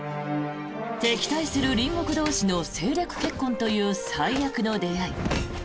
敵対する隣国同士の政略結婚という最悪の出会い。